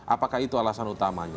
apakah itu alasan utamanya